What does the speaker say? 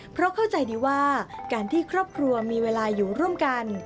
เพราะเข้าใจดีว่าการที่ครอบครัวมีเวลาอยู่ร่วมกัน